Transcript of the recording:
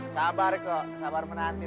sabar kok sabar menanti